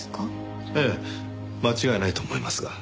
ええ間違いないと思いますが。